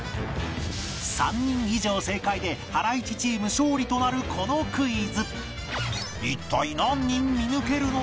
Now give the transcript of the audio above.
３人以上正解でハライチチーム勝利となるこのクイズ一体何人見抜けるのか？